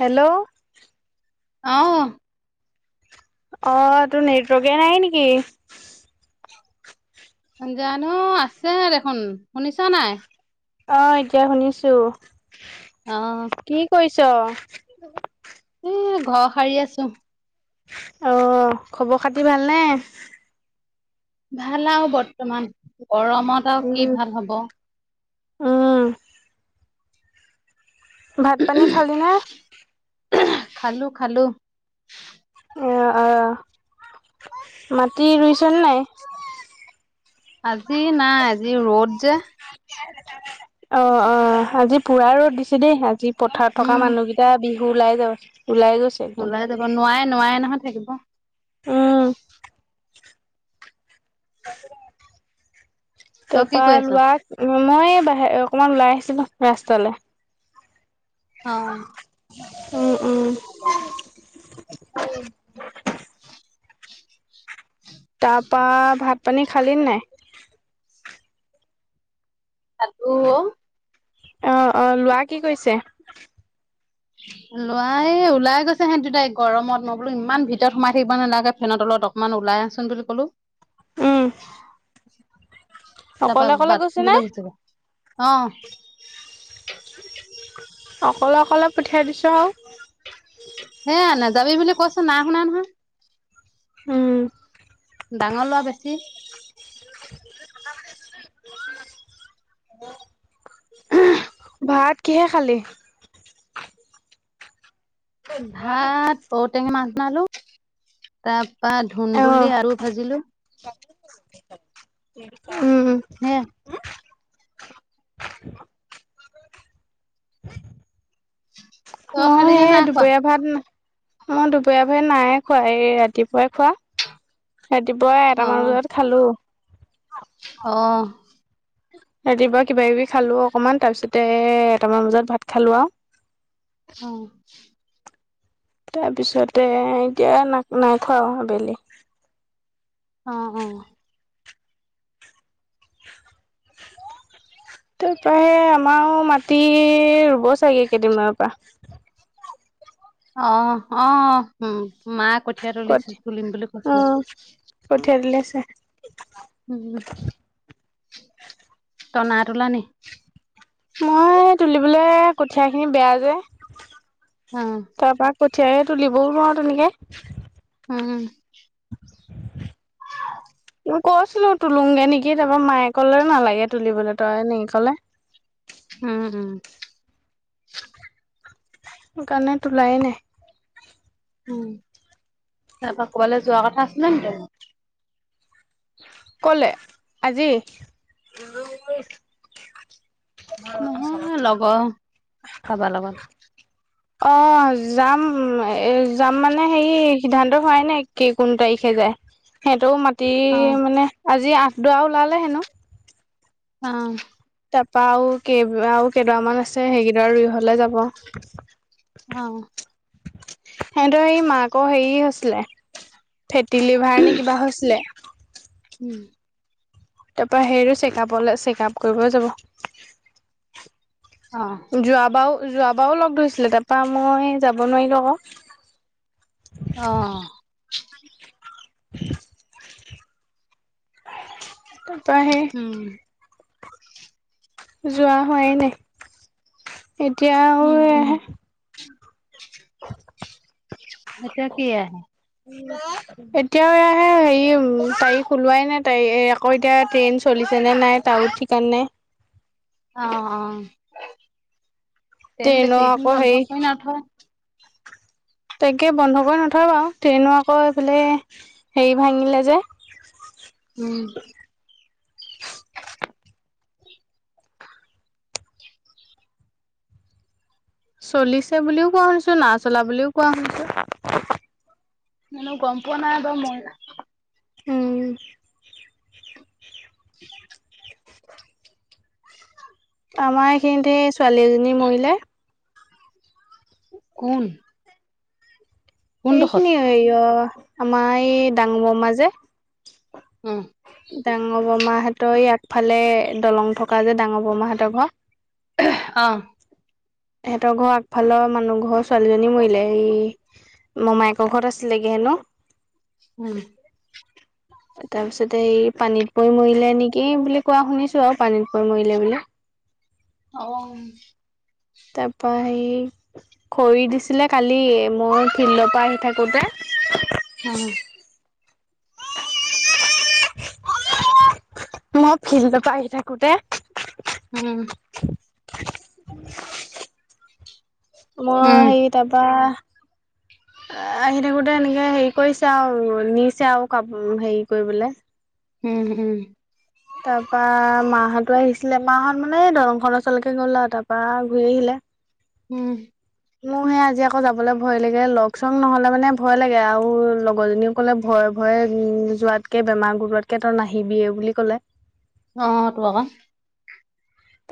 Hello. অ। অ, তোৰ নেটৱৰ্ককেই নাই নেকি? জানো আছে দেখোন শুনিছ নাই? অ, এতিয়া শুনিছোঁ। অ। কি কৰিছ? উ, ঘৰ সাৰি আছোঁ। অ, খবৰ খাতি ভালনে? ভাল আৰু বৰ্তমান, গৰমত আৰু কি উম ভাল হ'ব। উম। ভাত- পানী খালি নে? খালোঁ-খালোঁ। অ- অ, মাটি ৰুইছনে নাই? আজি নাই, আজি ৰ'দ যে। অ- অ আজি পুৰা ৰ'দ দিছে দেই, আজি পথাৰত থকা উম মানুহ কেইটা বিহু ওলাই গৈছে, ওলাই গছে। ওলাই যাব নোৱাৰে- নোৱাৰে নহয় থাকিব। উম। তই কি তাৰপৰা কৰি আছ লোৱা মই বাহ, অকমান ওলাই আহিছোঁ ৰাস্তালৈ। অ। উম- উম। [inaudible] তাৰপৰা ভাত- পানী খালি নে নাই? খালোঁ অ। অ- অ, ল'ৰা কি কৰিছে? লৰাই ওলাই গৈছে, হেঁত দুটাই গৰমত মই বোলো ইমান ভিতৰত সোমাই থাকিবা নালাগে ফেনত তলত। অকমান ওলাই আহচোন বুলি ক'লো। উম। তাৰপৰা অকলে অকলে নে? বাথৰুমলৈ গৈছে অ'। অকলে অকলে পঠিয়াই দিছোঁ আৰু। হেয়া নাযাবি বুলি কৈছো নাই শুনা নহয়। উম। ডাঙৰ ল'ৰা বেছি। [unintelligible] ভাত কিহে খালি। ভাত ঔটেঙা মাছ বনালো। তাৰ পৰা অ', ধুন্দুলি আলু ভাজিলোঁ। [unintelligible] উম। সেয়া। [inaudible] তই খালি মই নে সেই নাই খোৱা দুপৰীয়া ভাত মই দুপৰীয়া ভাত নাই খোৱা এই ৰাতিপুৱাই খোৱা ৰাতিপুৱা অ এটামান বজাত খালোঁ। অ' ৰাতিপুৱা কিবা কিবি খালোঁ অকণমান তাৰপিছতে এটামান বজাত ভাত খালোঁ আৰু। অ' তাৰপিছতে এতিয়া ন -নাই খোৱাওঁ আবেলি। অ'অ' [unintelligible] তাৰপৰা আমাৰ মাটি ৰুব চাগে কেইদিনমানৰ পৰা। অ' অ' উম মা কঠীয়া তুলিছে কঠি তুলিম বুলি কৈছিলে। অ', কঠীয়া তুলি [unintelligible] উম তই নাই তোলা নি। মই তুলিবলে কঠিয়া খিনি বেয়া যে। অ' কাৰবাক পঠিয়াই তুলিবও নোৱাৰো তেনেকে। উম। [inaudible] [unintelligible] কৈছিলো তুলোগে নেকি তাৰপৰা মায়ে ক'লে নালাগে তুলিবলৈ তই নেকি ক'লে। উম উম সেইকাৰণে তোলাই নাই। উম, তাৰপৰা ক'বালৈ যোৱা কথা আছিলে নেকি তই। ক'লে আজি [unintelligible] নহয় লগৰ কাৰবাৰ লগত। অ'যাম এ যাম মানে হেৰি সিদ্ধান্ত হোৱাই নাই। কেই কোন তাৰিখে যায় সিহঁতৰো মাটি অ মানে আজি আঠডৰা ওলালে হেনো। অ' তাৰপা আৰু কেই আৰু কেইডৰামান আছে সেইকেইডৰা ৰুই হ'লে যাব। অ' সিহঁতৰ সেই মাকৰ হেৰি হৈছিলে ফেটি লিভাৰ নে কিবা হৈছিলে। উম, তাৰপৰা সেইটো চেকাপলৈ, চেকাপ কৰিবলৈ যাব। অ, যোৱাবাৰো, যোৱাবাৰো লগ ধৰিছিলে, তাপা মই যাব নোৱাৰিলো আকৌ। অ, [inaudible] তাৰপৰা সেই উম, যোৱা হোৱাই নাই। এতিয়া আৰু উম, উম, এয়াহে এতিয়া কি এ [inaudible] এতিয়াও আহে, হেৰি উম, তাৰিখ ওলোৱাই নাই, তাৰিখ আকৌ এতিয়া ট্ৰেইন চলিছে নে নাই? তাও ঠিক নাই। অ, অ, ট্ৰেইন ট্ৰেইনৰ আকৌ বেছিদিন হেৰি বন্ধ কৰি নথয়। তাকে বন্ধ কৰি নথয় বাৰু, ট্ৰেইনো আকৌ এইফালে হেৰি ভাঙিলে যে। উম, [inaudible] চলিছে বুলিও কোৱা শুনিছো, নাই চলা বুলিও কোৱা শুনিছো। মানে গম পোৱা নাই বা মও। উম, [inaudible] আমাৰ এইখিনিত এই ছোৱালী এজনী মৰিলে। কোন? কোনডোখৰত এইখিনি হেৰি অ, আমাৰ এই ডাঙৰ মামা যে। উম, ডাঙৰ বৰমাহঁতৰ এই আগফালে দলং থকা যে ডাঙৰ বৰমাহঁতৰ ঘৰ। [inaudible] অ, সিহঁতৰ ঘৰ আগফালৰ, মানুহ ঘৰৰ ছোৱালীজনী মৰিলে এই মোমায়েকৰ ঘৰত আছিলেগে হেনো। উম, তাৰপিছতে এই পানীত পৰি মৰিলে নেকি বুলি কোৱা শুনিছোঁ আৰু পানীত পৰি মৰিলে বুলি। অ, তাৰ পৰা হেই, খৰি দিছিলে কালি, মই ফিল্ডৰ পৰা আহি থাকোতে উম, মই ফিল্ডৰ পৰা, আহি থাকোতে উম, [unintelligible] মই উম সেই তাৰপৰা আহি থাকোতে এনেকে হেৰি কৰি চাওঁ আৰু নি চাওঁ, কাপোৰ হেৰি কৰিবলে। উম, উম, তাৰপা মাহঁতো আহিছিলে, মাহত মানে এই দৰংখনৰ ওচৰলৈকে গ'ল আৰু তাৰপা ঘূৰি আহিলে। উম, মোৰহে আজি আকৌ যাবলৈ ভয় লাগে, লগ-চগ নহ'লে মানে ভয় লাগে আৰু লগৰজনীও ক'লে ভয়, ভয়ে যোৱাতকে বেমাৰ গোটোৱাতকে, তই নাহিবিয়ে বুলি ক'লে। অ, তো আকৌ।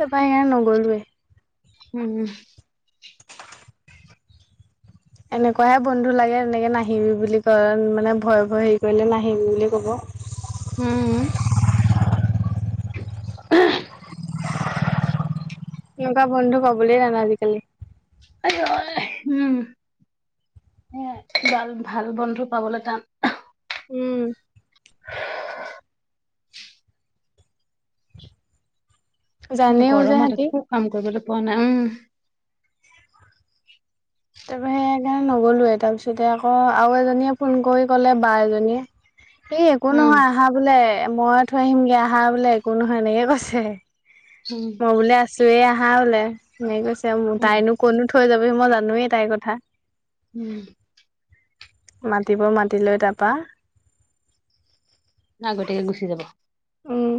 তাৰপা এয়া নগ'লোৱে। উম। এনেকুৱাহে বন্ধু লাগে, এনেকে নাহিবি বুলি কয় মানে ভয় ভয় হেৰি কৰিলে নাহিবি বুলি ক'ব। উম। [inaudible] এনেকুৱা বন্ধু পাবলৈ নাই আজিকালি। আই ঐ [inaudible] এ ভাল -ভাল বন্ধু পাবলে টান। উম। জানেও যে গৰমত সিহঁতি একো কাম কৰিবলৈ পোৱা নাই, উম। তাৰপা সেইকাৰণে নগলোয়েই। তাৰপিছতে আকৌ আৰু এজনীয়ে ফোন কৰি কলে বা এজনীয়ে- এ একো উম নহয় আহা বোলে মই থৈ আহিমগে আহা বোলে একো নহয় এনেকে কৈছে। উম। মই বোলে আছোয়েই আহা বোলে, এনেকে কৈছে। তাইনো কতনো থৈ যাবহি মই জানোয়েই তাইৰ কথা। উম। মাতিব মাতি লৈ তাৰপৰা- আগতীয়াকে গুচি যাব। উম।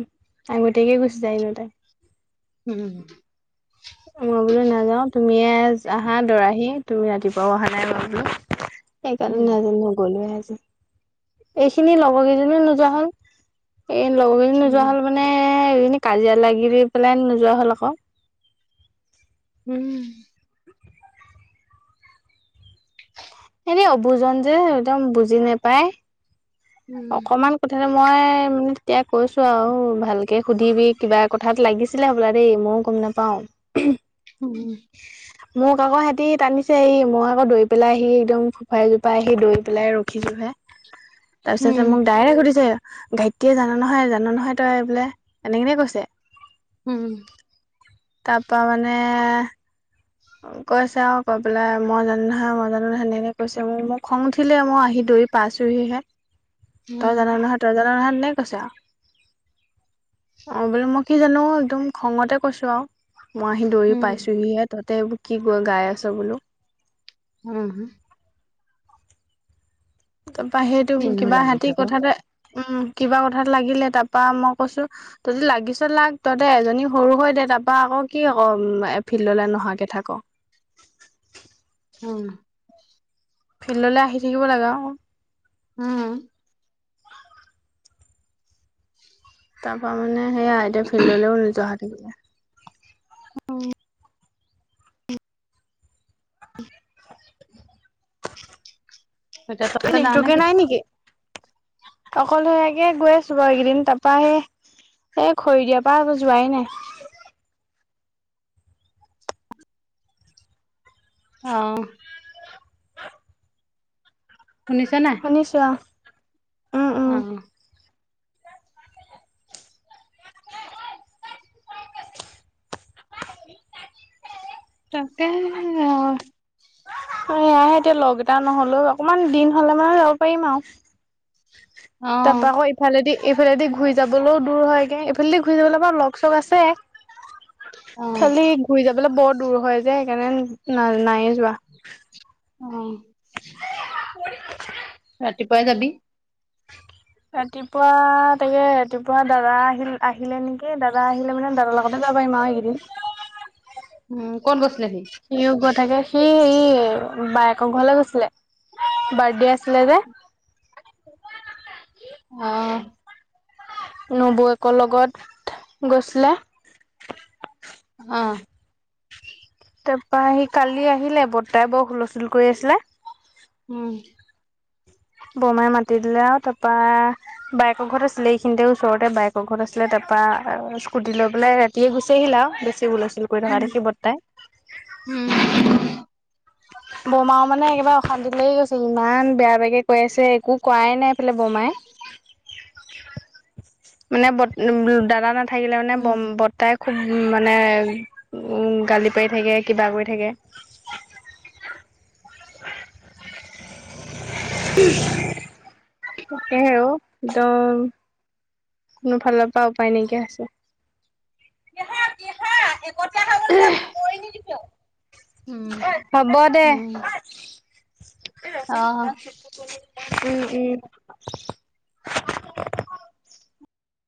আগতীয়াকে গুচি যায় এনো তাই। উম। মই বোলো নাযাও তুমিয়ে- আহা দৰাহি, তুমি ৰাতিপুৱা অহা নাই বোলো, উম সেইকাৰণে নগলোৱে আজি। এইখিনি লগৰ কেইজনীও নোযোৱা হল। এই লগৰ কেইজনী নোযোৱা হল মানে- মানে এই কেইজনী কাজিয়া লাগি পেলাই নোযোৱা হ'ল আকৌ। উম। এনে অবুজন যে একদম বুজি নেপায়। উম উম অকমান কথাতে মই মানে তেতিয়া কৈছো আৰু ভালকে- সুধিবি কিবা কথাত লাগিছিলে হব'লা দেই, মইও গম নাপাওঁ। উম। [inaudible] মোক আকৌ সিহঁতি টানিছে, এই মই আকৌ দৈ পেলাই আহি একদম ফোফাই -জোপাই আহি দৈ পেলাই ৰখিছো হে। তাৰপিছতে উম মোক ডাইৰেক্ট সুধিছে গায়ত্ৰীয়ে জান নহয়, জান নহয় তই বোলে এনেকে এনেকে কৈছে। উম। তাৰপৰা মানে- কৈছে আৰু কৈ পেলাই মই জানো নহয় মই জানো নহয় সেনেকে কৈছে মোৰ, মোক খং উঠিলে মই আহি দৌৰি- পাইছোহিহে, তই উম জান' নহয় তই জান' নহয় এনেকে কৈছে আৰু। অঁ, বোলো মই কি জানো একদম খঙতে কৈছো আৰু। মই আহি দৌৰি পাইছোহিহে, তহঁতে এইবোৰ কি গাই আছ' বোলো? উম। তাৰপা সেইটো এনেও কিবা লাগি হিতি থাকক কথাতে উম, কিবা কথাত লাগিলে। তাৰপা মই কৈছো- তহ'তি লাগিছ লাগ, তহ'তে এজনী সৰু হৈ দে, তাৰপা আকৌ কি ক ফিল্ডলৈ নহাকে থাক? উম। ফিল্ডলৈ আহি থাকিব লাগে অ'ক। উম। তাৰ পৰা মানে সেইয়া, এতিয়া ফিল্ডলৈও নোযোৱা হৈ থাকিলে। অঁ। এতিয়া তোৰ তহঁতে যাৱ নেৰ্টৱকেই নাই নেকি অকলহৰিয়াকে গৈ আছো বাৰু এইকেইদিন তাৰপা সে সেই খৰি দিয়াৰ পৰা আকৌ যোৱাই নাই। অ'। শুনিছা নাই শুনিছো অ'। উম উম অ'। তাকেহে আও অ' এয়াই এতিয়া লগ এটা নহলেও, অকনমান দিন হ'লে মানে যাব পাৰিম আৰু। অ তাৰপা আকৌ আহিম ইফালেদি ইফালেদি ঘূৰি যাবলৈও দূৰ হয়গে, এইফালেদি ঘূৰি যাবলৈ আৰু লগ চগ আছে। খালি ঘূৰি যাবলৈ বৰ দূৰ হয় যে সেইকাৰণে না নাইয়ে যোৱা। অ ৰাতিপুৱাই যাবি ৰাতিপুৱা তাকে ৰাতিপুৱা দাদা আহিল আহিলে নেকি দাদা আহিলে মানে দাদাৰ লগত তাতে যাব আৰু এই কেইদিন। উম, ক'ত গৈছিলে সিওঁ গৈ থাকে, সি সেই বায়েকৰ ঘৰলে গৈছিলে। বাৰ্থডে আছিলে যে। অ'। নবৌয়েকৰ লগত গৈছিলে। অ'। তাৰপৰা সি কালি আহিলে বৰ্তাই বৰ হুলস্থুল কৰি আছিলে। উম। বৰমাই মাতি দিলে আও তাৰপা বাইয়েকৰ ঘৰত আছিলে এইখিনিতে ওচৰতে বাইকৰ ঘৰত আছিলে, তাৰপৰা স্কুটি লৈ পেলাই ৰাতিয়ে গুচি আহিল আও বেছি হুলচুল কৰি উম থকা দেখি বৰদেউতাই। উম। বৰমাও মানে একেবাৰে অশান্তি লাগে গৈছে ইমান বেয়া বেয়াকে কৈ আছে একো কৰাই নাই এইফালে বৰমাই। মানে বত দাদা না নাথাকিলে মানে উম বম বৰদেউতাই খুব মানে উ গালি পাৰি থাকে কিবা কৰি থাকে। [unintelligible] তাকেহে অ একদম কোনো ফালৰ পৰা উপায় নাইকিয়া হৈছে [unintelligible] এহ কিয় উম, উম। অ উম, উম।